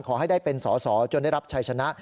ขอให้ได้เป็นสอสอจนได้รับชัยชนะ